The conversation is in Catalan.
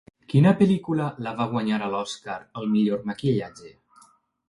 Quina pel·lícula la va guanyar a l'Oscar al millor maquillatge?